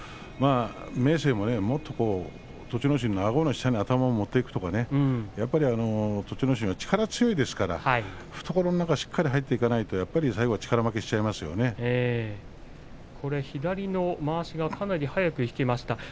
明生ももっと栃ノ心のあごの下に頭を持っていくとかね栃ノ心が力強いですから懐の中しっかりと入っていかないと左のまわしが早く引けました。